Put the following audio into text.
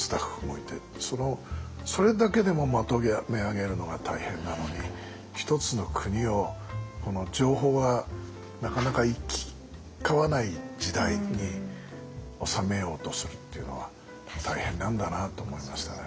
そのそれだけでもまとめ上げるのが大変なのに一つの国を情報がなかなか行き交わない時代に治めようとするっていうのは大変なんだなって思いましたね。